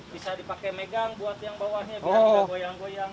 bisa dipakai megang buat yang bawahnya